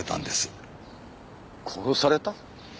殺された？